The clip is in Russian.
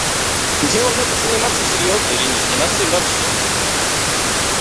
Делом надо заниматься серьезно или не заниматься им вообще.